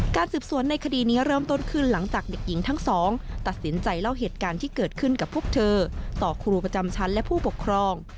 สืบสวนในคดีนี้เริ่มต้นขึ้นหลังจากเด็กหญิงทั้งสองตัดสินใจเล่าเหตุการณ์ที่เกิดขึ้นกับพวกเธอต่อครูประจำชั้นและผู้ปกครอง